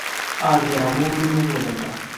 Angen amu mi muguleldo